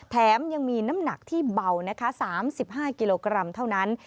แถมยังมีน้ำหนักที่เบานะคะ๓๕กิโลกรัมเท่านั้น